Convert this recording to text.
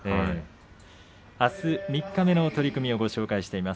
あす三日目の取組です。